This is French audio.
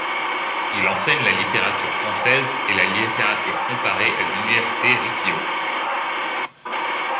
Il enseigne la littérature française et la littérature comparée à l'université Rikkyō.